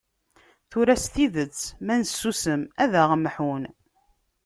Tura s tidet, ma nessusem ad aɣ-mḥun.